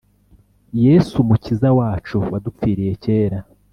Yes’ Umukiza wacu wadupfiriye kera.